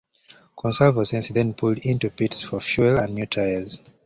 Consalvo Sanesi then pulled into the pits for fuel and new tyres.